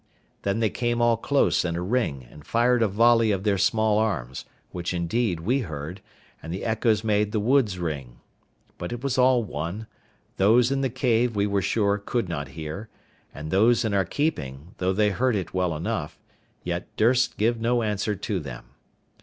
Then they came all close in a ring, and fired a volley of their small arms, which indeed we heard, and the echoes made the woods ring. But it was all one; those in the cave, we were sure, could not hear; and those in our keeping, though they heard it well enough, yet durst give no answer to them.